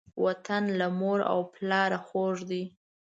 وطن له مور او پلاره خوږ دی.